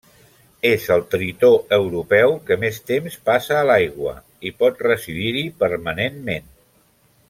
És el tritó europeu que més temps passa a l'aigua, i pot residir-hi permanentment.